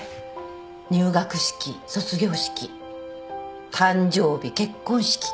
入学式卒業式誕生日結婚式。